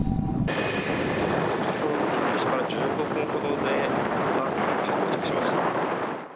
先ほどから１５分ほどで、また救急車が到着しました。